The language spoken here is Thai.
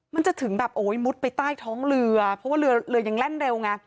มันจะถึงแบบโอ้ยมุดไปใต้ท้องเรือเพราะว่าเรือเรือยังแล่นเร็วไง